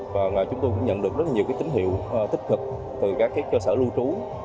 và chúng tôi cũng nhận được rất nhiều tín hiệu tích cực từ các cơ sở lưu trú